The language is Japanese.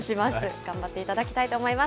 頑張っていただきたいと思います。